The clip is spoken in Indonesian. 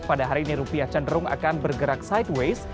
pada hari ini rupiah cenderung akan bergerak sideways